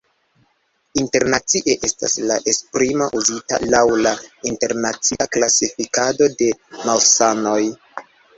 Internacie estas la esprimo uzita laŭ la internacia klasifikado de malsanoj.